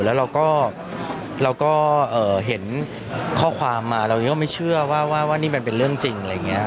แล้วเราก็เห็นข้อความมาเรายังไม่เชื่อว่านี่มันเป็นเรื่องจริงอะไรอย่างนี้